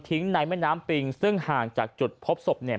ในแม่น้ำปิงซึ่งห่างจากจุดพบศพเนี่ย